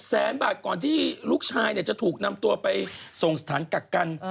แสนบาทก่อนที่ลูกชายจะถูกนำตัวไปส่งสถานกักกัน